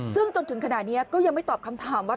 ซึ่งจนถึงขณะนี้ก็ยังไม่ตอบคำถามว่า